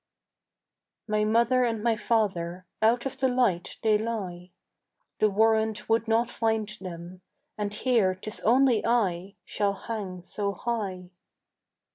My mother and my father Out of the light they lie; The warrant would not find them, And here 'tis only I Shall hang so high.